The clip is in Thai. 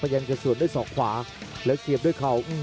ยังจะสวนด้วยศอกขวาแล้วเสียบด้วยเข่า